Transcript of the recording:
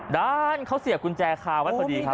ด้านเขาเสียบกุญแจคาไว้พอดีครับ